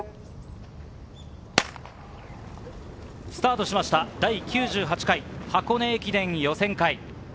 スタートしました、第９８回箱根駅伝予選会。